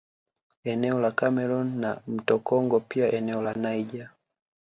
Eneo la Cameroon na mto Congo pia eneo la Niger